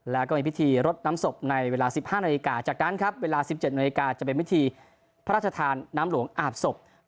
แล้วก็มีพิธีรดน้ำศพในเวลา๑๕นาฬิกาจากนั้นครับเวลา๑๗นาฬิกาจะเป็นพิธีพระราชทานน้ำหลวงอาบศพ